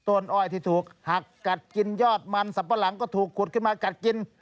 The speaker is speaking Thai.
ต้นอ้อยที่ถูกหักกัดกินยอดมันสัมปะหลังก็ถูกขุดขึ้นมากัดกิน